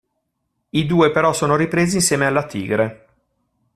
I due però sono ripresi insieme alla tigre.